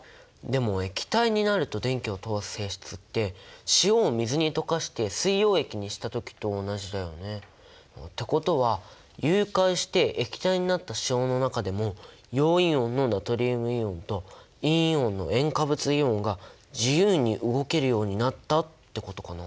でも液体になると電気を通す性質って塩を水に溶かして水溶液にした時と同じだよね。ってことは融解して液体になった塩の中でも陽イオンのナトリウムイオンと陰イオンの塩化物イオンが自由に動けるようになったってことかな？